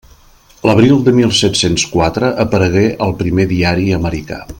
L'abril de mil set-cents quatre aparegué el primer diari americà.